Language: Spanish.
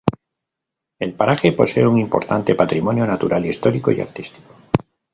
El paraje posee un importante patrimonio natural, histórico y artístico.